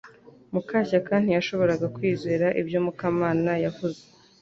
Mukashyaka ntiyashoboraga kwizera ibyo Mukamana yavuze